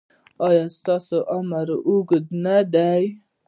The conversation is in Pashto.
ایا ستاسو عمر اوږد نه دی؟